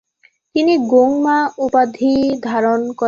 তিনি গোং-মা উপাধি ধারণ করেন।